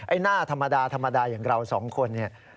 หน้าธรรมดาธรรมดาอย่างเราสองคนเนี่ย